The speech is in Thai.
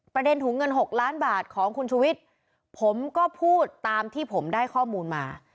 ถุงเงิน๖ล้านบาทของคุณชุวิตผมก็พูดตามที่ผมได้ข้อมูลมา